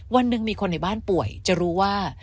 วันหนึ่งมีคนในบ้านป่วยจะรู้ว่า